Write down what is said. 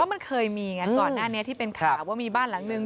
มันเคยมีไงก่อนหน้านี้ที่เป็นข่าวว่ามีบ้านหลังนึง